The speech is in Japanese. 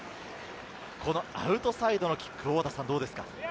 アウトサイドのキックはどうですか？